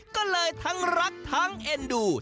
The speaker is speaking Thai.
ก็เลยทั้งรักทั้งเอ็นดู